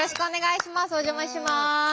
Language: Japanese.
お邪魔します。